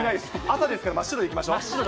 朝ですから、真っ白でいきましょう。